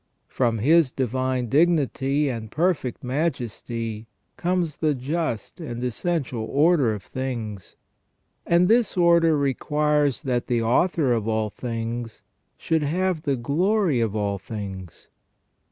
From His Divine Dignity and perfect Ma jesty comes the just and essential order of things, and this order requires that the Author of all things should have the glory of all 54 THE SECONDARY IMAGE OF GOD IN MAN. things.